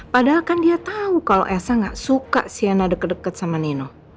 padahal kan dia tahu kalau esa gak suka siana deket deket sama nino